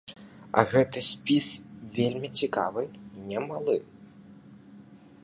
А гэты спіс вельмі цікавы і немалы.